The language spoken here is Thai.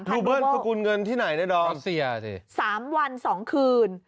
รูเบิ้ลประกูลเงินที่ไหนได้ด้องอเมริกาสามวันสองคืน